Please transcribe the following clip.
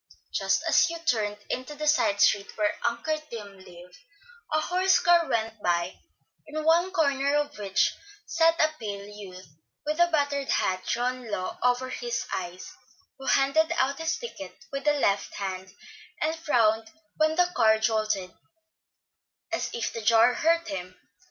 Just as Hugh turned into the side street where Uncle Tim lived, a horse car went by, in one corner of which sat a pale youth, with a battered hat drawn low over his eyes, who handed out his ticket with the left hand, and frowned when the car jolted, as if the jar hurt him.